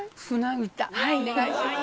お願いします。